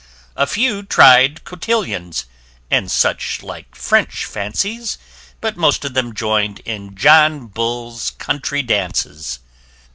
A few tried cotillions, and such like French fancies, But most of them join'd in John Bull's country dances.